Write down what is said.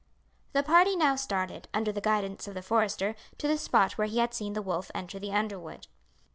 The party now started, under the guidance of the forester, to the spot where he had seen the wolf enter the underwood.